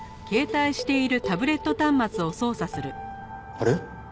あれ？